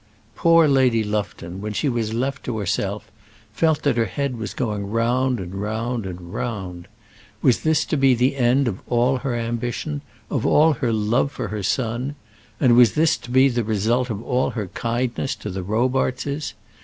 Poor Lady Lufton, when she was left to herself, felt that her head was going round and round. Was this to be the end of all her ambition, of all her love for her son? and was this to be the result of all her kindness to the Robartses?